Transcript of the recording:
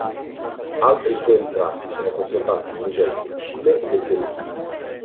Altri suoi ritratti sono conservati in musei del Cile e del Perù.